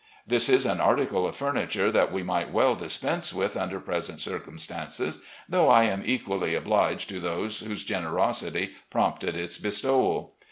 This is an article of furniture that we might well dispense with imder present circumstances, though I am equally obliged to those whose generosity prompted its bestowal.